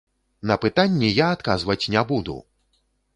На пытанні я адказваць не буду!